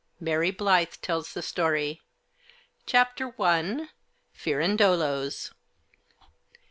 (MARY BLYTH TELLS THE STORY.) CHAPTER I. FIRANDOLO'S.